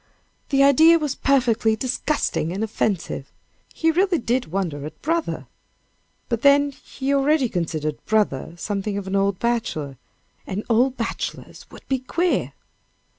the idea was perfectly disgusting and offensive. He really did wonder at "Brother," but then he already considered "Brother" something of an old bachelor, and old bachelors would be queer.